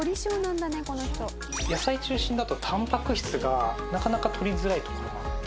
野菜中心だとたんぱく質がなかなか取りづらいところもあって。